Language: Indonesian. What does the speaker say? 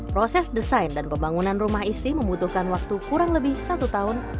proses desain dan pembangunan rumah isti membutuhkan waktu kurang lebih satu tahun